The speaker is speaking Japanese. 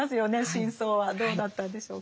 真相はどうだったんでしょうか？